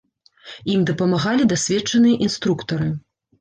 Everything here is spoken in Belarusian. Ім дапамагалі дасведчаныя інструктары.